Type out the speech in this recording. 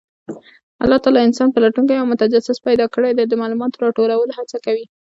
الله تعالی انسان پلټونکی او متجسس پیدا کړی دی، د معلوماتو راټولولو هڅه کوي.